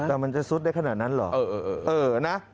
แต่มันจะซุดได้ขนาดนั้นเหรอ